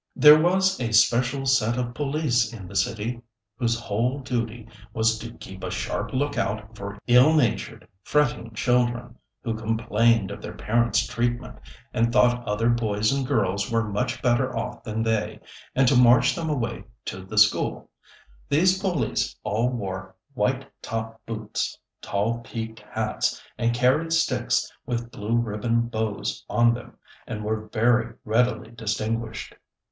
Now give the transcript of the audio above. There was a special set of police in the city, whose whole duty was to keep a sharp lookout for ill natured fretting children, who complained of their parents' treatment, and thought other boys and girls were much better off than they, and to march them away to the school. These police all wore white top boots, tall peaked hats, and carried sticks with blue ribbon bows on them, and were very readily distinguished.